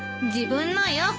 自分のよ。